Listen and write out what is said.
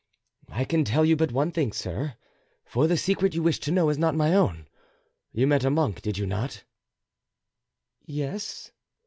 "I can tell you but one thing, sir, for the secret you wish to know is not my own. You met a monk, did you not?" "Yes."